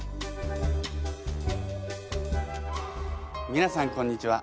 みなさんこんにちは。